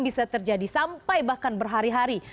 bisa terjadi sampai bahkan berhari hari